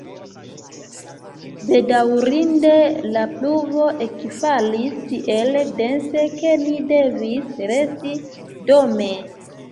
Bedaŭrinde la pluvo ekfalis tiel dense, ke ni devis resti dome.